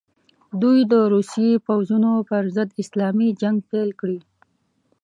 دوی د روسي پوځونو پر ضد اسلامي جنګ پیل کړي.